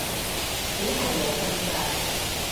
只係冇瞓着